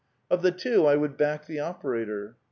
Of the two I would back the operator.